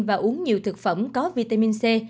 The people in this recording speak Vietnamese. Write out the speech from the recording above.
và uống nhiều thực phẩm có vitamin c